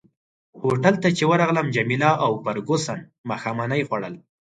هوټل ته چي ورغلم جميله او فرګوسن ماښامنۍ خوړل.